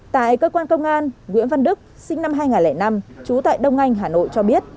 tại cơ quan công an nguyễn văn đức sinh năm hai nghìn năm trú tại đông anh hà nội cho biết